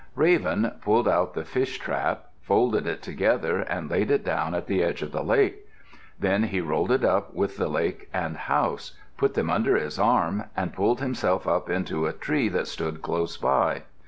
Raven pulled out the fish trap, folded it together, and laid it down at the edge of the lake. Then he rolled it up with the lake and house, put them under his arm, and pulled himself up into a tree that stood close by.